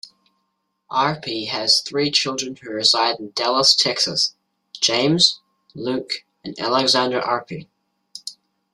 Arpey has three children who reside in Dallas Texas: James, Luke, and Alexandra Arpey.